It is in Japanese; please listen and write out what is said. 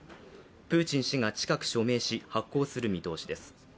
プーチン氏が近く署名し発効する見通しです。